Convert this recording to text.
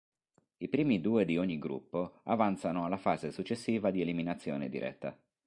I primi due di ogni gruppo avanzano alla fase successiva di eliminazione diretta.